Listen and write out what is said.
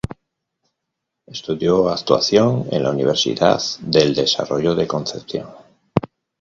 Estudió actuación en la Universidad del Desarrollo de Concepción.